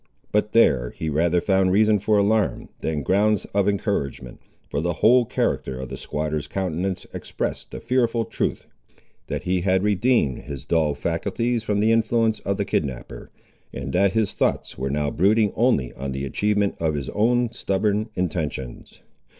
But there he rather found reason for alarm than grounds of encouragement, for the whole character of the squatter's countenance expressed the fearful truth, that he had redeemed his dull faculties from the influence of the kidnapper, and that his thoughts were now brooding only on the achievement of his own stubborn intentions.